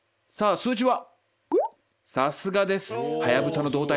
「数字は？」。